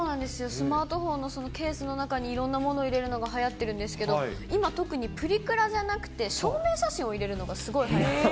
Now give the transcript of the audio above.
スマートフォンのケースの中にいろんなものを入れるのがはやってるんですけど、今プリクラじゃなくて、証明写真を入れるのがすごいはやっていて。